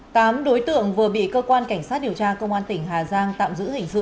tám đối tượng vừa bị cơ quan cảnh sát điều tra công an tỉnh hà giang tạm giữ hình sự